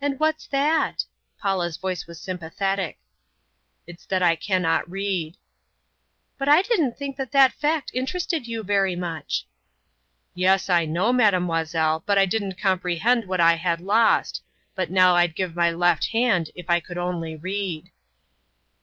"And what's that?" Paula's voice was sympathetic. "It's that I cannot read." "But I didn't think that that fact interested you very much." "Yes, I know, Mademoiselle, but I didn't comprehend what I had lost, but now I'd give my left hand if I could only read."